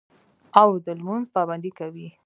او د لمونځ پابندي کوي